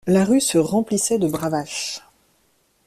La rue se remplissait de bravaches.